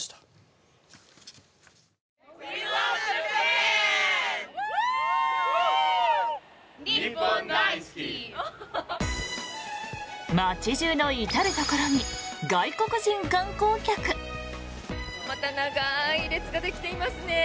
また長い列ができていますね。